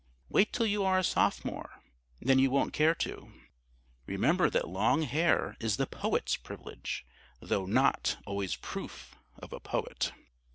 Wait till you are a Sophomore; then you won't care to. Remember that long hair is the Poet's privilege (though not always proof of a Poet).